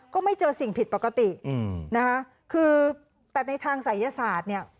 ก็ไม่เจอสิ่งผิดปกติอืมนะคะคือแต่ในทางศัยศาสตร์เนี่ย